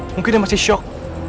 mungkin dia masih shock